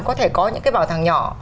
có thể có những cái bảo tàng nhỏ